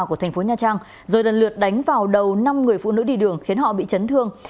của thành phố nha trang rồi lần lượt đánh vào đầu năm người phụ nữ đi đường khiến họ bị chấn thương